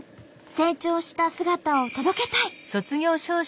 成長した姿を届けたい。